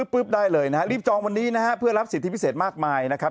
ปุ๊บได้เลยนะฮะรีบจองวันนี้นะฮะเพื่อรับสิทธิพิเศษมากมายนะครับ